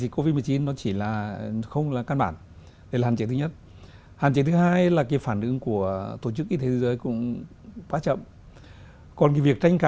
còn lãnh đạo thế giới